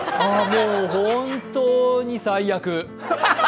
もう本当に最悪。